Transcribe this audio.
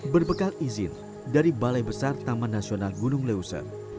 berbekal izin dari balai besar taman nasional gunung leuser